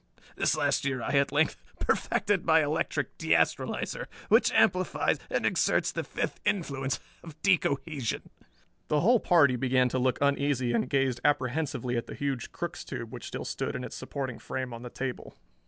This last year I at length perfected my electric de astralizer, which amplifies and exerts the fifth influence of de cohesion." The whole party began to look uneasy and gazed apprehensively at the huge Crookes tube which still stood in its supporting frame on the table.